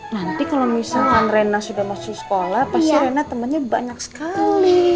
nanti kalau misalkan rena sudah masuk sekolah pasti rena temannya banyak sekali